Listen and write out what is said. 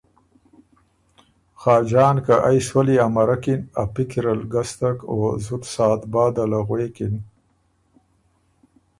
خاجان که ائ سولّی امرکِن ا پِکرل ګستک او زُت ساعت بعده له غوېکِن۔